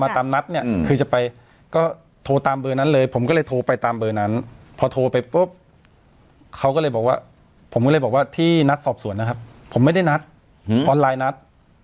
ตามนัดเนี่ยคือจะไปก็โทรตามเบอร์นั้นเลยผมก็เลยโทรไปตามเบอร์นั้นพอโทรไปปุ๊บเขาก็เลยบอกว่าผมก็เลยบอกว่าที่นัดสอบสวนนะครับผมไม่ได้นัดออนไลน์นัด